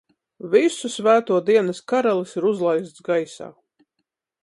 Visu Svēto dienas karalis ir uzlaists gaisā!